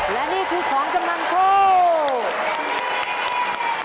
และนี่คือของจำนำโชค